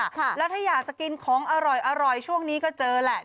ค่ะแล้วถ้าอยากจะกินของอร่อยอร่อยช่วงนี้ก็เจอแหละ